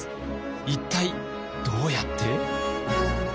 一体どうやって？